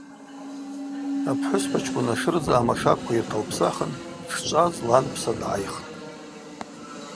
Апхӏвыспачкӏвын ашырдза амашаквква йырталпсахын дшчӏваз ланпса дгӏайхтӏ.